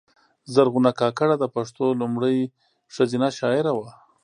زرغونه کاکړه د پښتو لومړۍ ښځینه شاعره وه